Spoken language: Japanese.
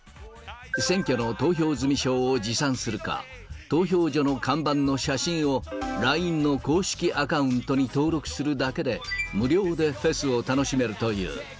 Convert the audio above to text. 選挙の投票済み証を持参するか、投票所の看板の写真を、ＬＩＮＥの公式アカウントに登録するだけで、無料でフェスを楽しめるという。